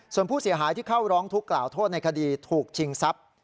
ส่วนผู้เสียหายที่เข้าร้องทุกข์กล่าวโทษในคดีถูกชิงทรัพย์